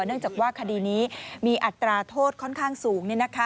เนื่องจากว่าคดีนี้มีอัตราโทษค่อนข้างสูง